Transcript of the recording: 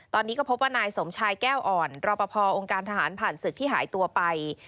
ตอนนี้ก็พบว่านายสมชายแก้วอ่อนรอปภองค์การทหารผ่านศึกที่หายตัวไป